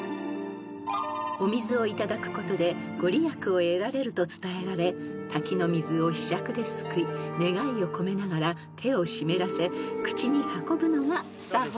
［お水をいただくことで御利益を得られると伝えられ滝の水をひしゃくですくい願いを込めながら手を湿らせ口に運ぶのが作法］